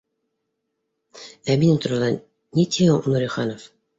Ә минең турала ни ти һуң Нуриханов?